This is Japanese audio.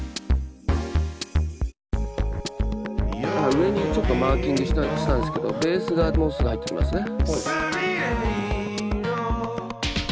上にちょっとマーキングしたんですけどベースがもうすぐ入ってきますね。